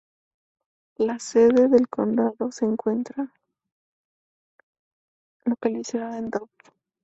La sede del condado se encuentra localizada en Dove.